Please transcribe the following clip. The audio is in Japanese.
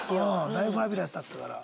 だいぶファビュラスだったから。